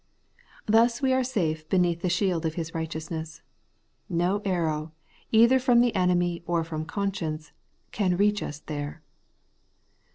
■ Thus we are safe beneath the shield of His righteousness. No arrow, either from the enemy or from conscience, can reach us there.